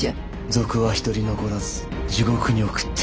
賊は一人残らず地獄に送ってやるわ。